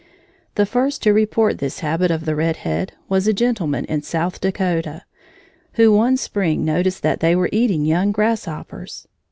The first to report this habit of the red head was a gentleman in South Dakota, who one spring noticed that they were eating young grasshoppers.